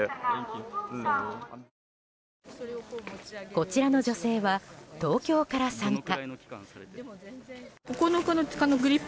こちらの女性は東京から参加。